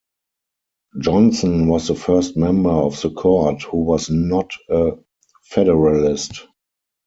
Johnson was the first member of the Court who was not a Federalist.